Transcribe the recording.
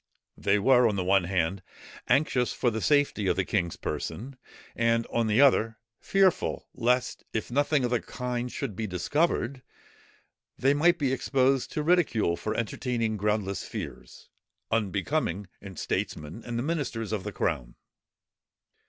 They were, on the one hand, anxious for the safety of the king's person, and on the other, fearful lest, if nothing of the kind should be discovered, they might be exposed to ridicule for entertaining groundless fears, unbecoming in statesmen and the ministers of the crown.